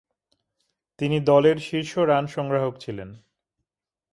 তিনি দলের শীর্ষ রান সংগ্রাহক ছিলেন।